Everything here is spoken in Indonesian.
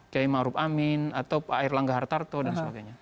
kiai ma'ruf amin atau pak air langga hartarto dan sebagainya